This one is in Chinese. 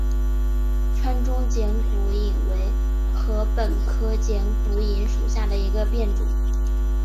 川中剪股颖为禾本科剪股颖属下的一个变种。